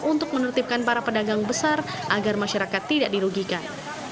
untuk menertibkan para pedagang besar agar masyarakat tidak dirugikan